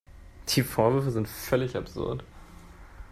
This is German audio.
Die Vorwürfe sind völlig absurd.